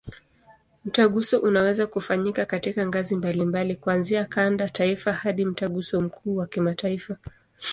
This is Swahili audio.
Mtaguso unaweza kufanyika katika ngazi mbalimbali, kuanzia kanda, taifa hadi Mtaguso mkuu wa kimataifa.